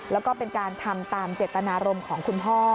แล้วก็เป็นการทำตามเจตนารมณ์ของคุณพ่อ